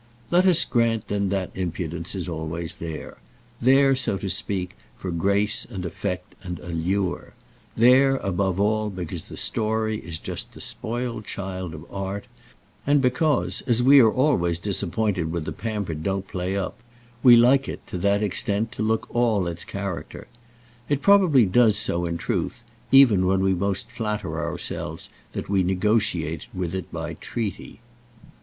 Let us grant then that the impudence is always there—there, so to speak, for grace and effect and allure; there, above all, because the Story is just the spoiled child of art, and because, as we are always disappointed when the pampered don't "play up," we like it, to that extent, to look all its character. It probably does so, in truth, even when we most flatter ourselves that we negotiate with it by treaty.